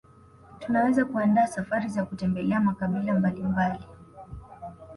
Tunaweza kuandaa safari za kutembelea makabila mbalimbali